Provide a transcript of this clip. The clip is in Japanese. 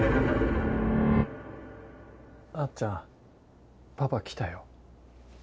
あっちゃんパパ来たよ。